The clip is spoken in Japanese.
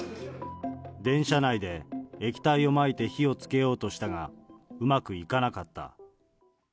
電車内で液体をまいて火をつけようとしたが、うまくいかなかった。